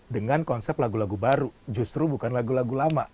dengan konsep lagu lagu baru justru bukan lagu lagu lama